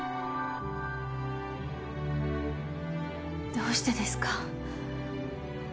どうしてですか？